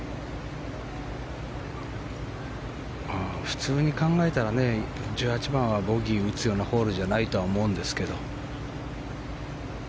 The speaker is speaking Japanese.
普通に考えたら、１８番はボギー打つようなホールじゃないと思うんですけど。